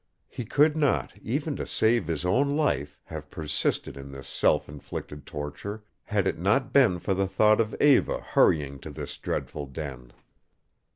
He could not, even to save his own life, have persisted in this self inflicted torture had it not been for the thought of Eva hurrying to this dreadful den.